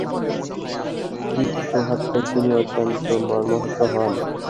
দূত হত্যায় তিনি অত্যন্ত মর্মাহত হন।